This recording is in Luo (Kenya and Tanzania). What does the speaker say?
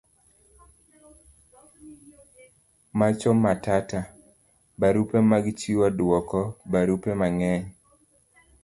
Macho Matata. barupe mag chiwo duoko. barupe mang'eny